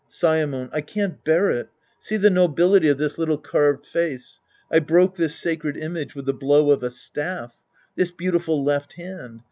Saemon. I can't bear it. See the nobility of this little carved face. I broke this sacred image with the blow of a staff. This beautiful left hand.